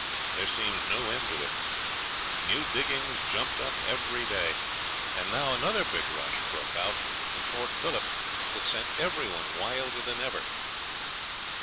There seemed no end to it. New diggings jumped up every day, and now another big rush broke out in Port Phillip that sent every one wilder than ever.